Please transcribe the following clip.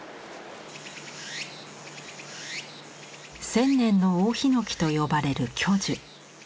「千年の大ヒノキ」と呼ばれる巨樹。